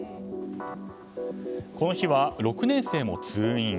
この日は６年生も通院。